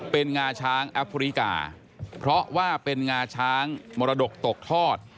เป็นงาช้างแอฟริกาเพราะว่าเป็นงาช้างมรดกตกทอด